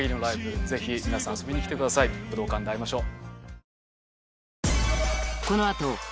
ぜひ皆さん遊びに来てください武道館で会いましょう。